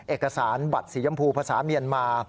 เอกสารบัตรสียำพูภาษาเมียนมา